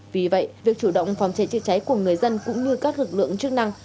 vì vậy việc chủ động phòng cháy chữa cháy của người dân cũng như các lực lượng chức năng